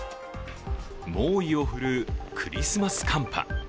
猛威を振るうクリスマス寒波。